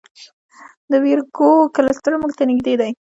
د ویرګو کلسټر موږ ته نږدې دی.